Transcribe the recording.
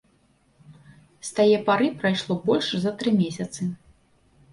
З тае пары прайшло больш за тры месяцы.